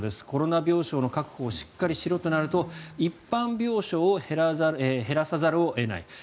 コロナ病床の確保をしっかりしろとなると一般病床を減らさざるを得ない。